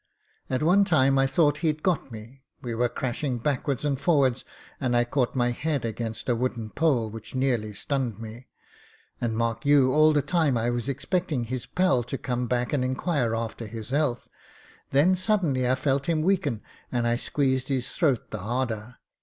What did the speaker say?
At one time I thought he'd got me — ^we were crash ing backwards and forwards, and I caught my head against a wooden pole which nearly stunned me. And, mark you, all the time I was expecting his pal to come back and inquire after his health. Then suddenly I felt him weaken, and I squeezed his throat the harder.